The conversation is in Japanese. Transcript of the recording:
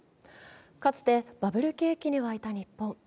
かつてバブル景気に沸いた日本。